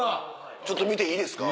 ちょっと見ていいですか。